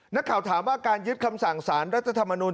นักข่าวถามว่าการยึดคำสั่งสารรัฐธรรมนุน